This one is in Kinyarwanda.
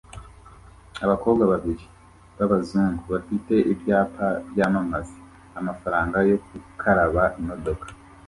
Abakobwa babiri b'abazungu bafite ibyapa byamamaza amafaranga yo gukaraba imodoka